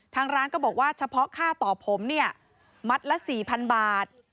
ทางร้านก็บอกว่าเฉพาะค่าต่อผมเนี่ยมัดละ๔๐๐๐บาท